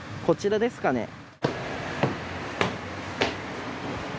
こちらですかね。